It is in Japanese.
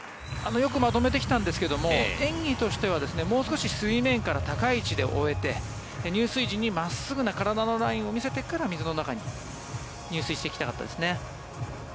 よくまとめてきたんですけど演技としてはもう少し水面から高い位置で終えて入水時に真っすぐな体のラインを見せてから水の中に入水していきたかったですね。